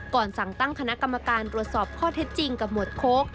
ก่อนสั่งตั้งคณะกรรมการตรวจสอบข้อเท็จจริงกับหมวดโค้ก